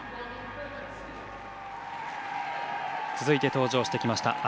続いて登場してきました